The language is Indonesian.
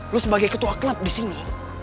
lo sebagai ketua klub disini